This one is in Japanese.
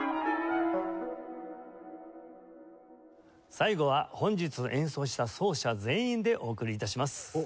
最後は本日演奏した奏者全員でお送り致します。